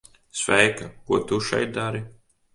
Sveika. Ko tu šeit dari?